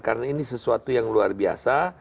karena ini sesuatu yang luar biasa